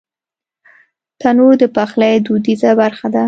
تنور د پخلي دودیزه برخه ده